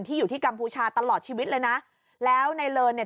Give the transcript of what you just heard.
อยู่ที่กัมพูชาตลอดชีวิตเลยนะแล้วในเลินเนี่ย